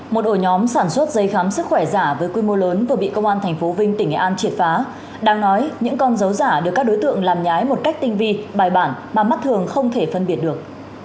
một ổ nhóm sản xuất giấy khám sức khỏe giả với quy mô lớn vừa bị công an tp vinh tỉnh nghệ an triệt phá đang nói những con dấu giả được các đối tượng làm nhái một cách tinh vi bài bản mà mắt thường không thể phân biệt được